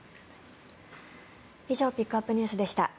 以上ピックアップＮＥＷＳでした。